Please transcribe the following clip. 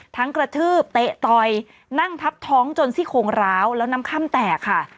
กระทืบเตะต่อยนั่งทับท้องจนซี่โคงร้าวแล้วน้ำค่ำแตกค่ะ